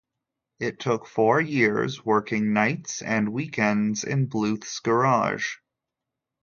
It took four years, working nights and weekends in Bluth's garage.